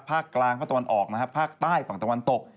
ภาคกลางภาคตะวันออกนะครับภาคใต้ฝั่งตะวันตก